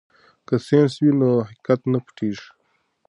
که ساینس وي نو حقیقت نه پټیږي.